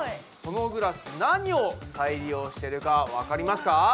そのグラス何を再利用してるかわかりますか？